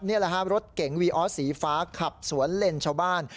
นี่แหละฮะรถเก๋งวีออสสีฟ้าขับสวนเลนชาวบ้าน